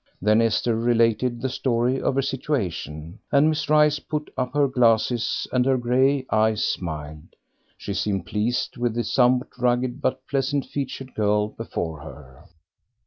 Then Esther related the story of her situations, and Miss Rice put up her glasses and her grey eyes smiled. She seemed pleased with the somewhat rugged but pleasant featured girl before her.